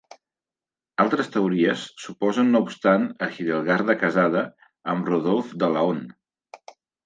Altres teories suposen no obstant a Hildegarda casada amb Rodolf de Laon.